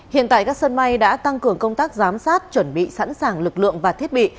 hiện tại các sân bay đã tăng cường công tác giám sát chuẩn bị sẵn sàng lực lượng và thiết bị